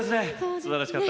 すばらしかった。